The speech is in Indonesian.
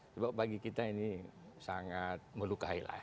sebab bagi kita ini sangat melukai lah